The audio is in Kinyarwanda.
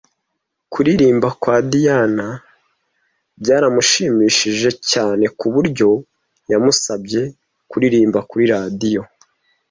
Kuririmba kwa Diana byaramushimishije cyane ku buryo yamusabye kuririmba kuri radiyo.